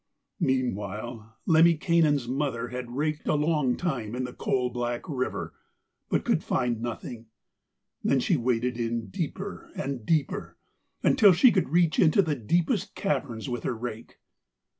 Meanwhile Lemminkainen's mother had raked a long time in the coal black river, but could find nothing. Then she waded in deeper and deeper, until she could reach into the deepest caverns with her rake.